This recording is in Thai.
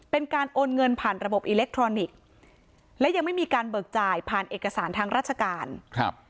เป็นการโอนเงินผ่านระบบอิเล็กทรอนิกส์และยังไม่มีการเบิกจ่ายผ่านเอกสารทางราชการครับ